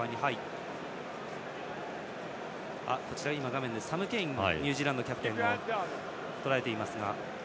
画面ではサム・ケインニュージーランドのキャプテンをとらえていますが。